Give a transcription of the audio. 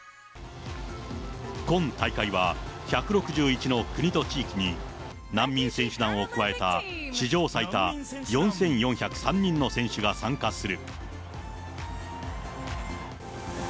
今大会は、１６１の国と地域に難民選手団を加えた史上最多４４０３人の選手が参加する。